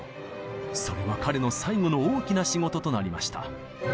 それは彼の最後の大きな仕事となりました。